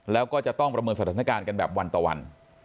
แล้วก็จะต้องประเมินสถานการณ์กันแบบวันต่อวัน